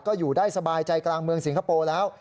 ก็อยู่ได้สบายใจกลางเมืองสิงคโปร์แล้ว